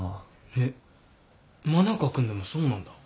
えっ真中君でもそうなんだ。